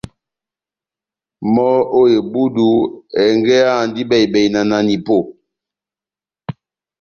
Mɔ́ ó ebúdu, ɛngɛ́ áhandi bɛhi-bɛhi na nanipó